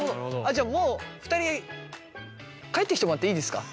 じゃあもう２人帰ってきてもらっていいですか？